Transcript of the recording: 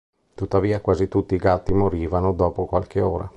Tuttavia quasi tutti i gatti morivano dopo qualche ora.